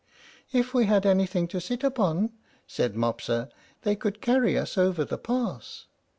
"If we had anything to sit upon," said Mopsa, "they could carry us over the pass."